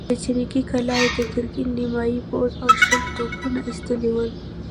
له جنګي کلا يې د ګرګين نيمايي پوځ او شل توپونه ايستلي ول.